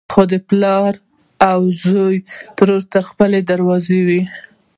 خو د پلار و زوی توره تر خپلې دروازې وه.